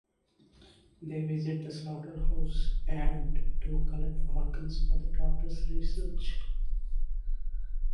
They visit the slaughterhouse yard to collect organs for the doctor's research.